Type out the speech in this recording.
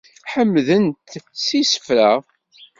Ḥemden-t s yisefra.